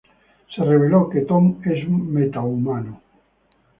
Se reveló que Tom es un Metahumano.